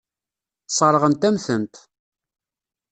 Sseṛɣent-am-tent.